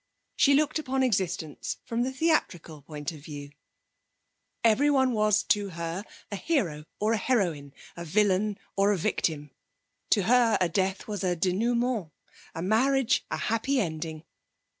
She looked upon existence from the theatrical point of view. Everyone was to her a hero or a heroine, a villain or a victim. To her a death was a dénouement; a marriage a happy ending.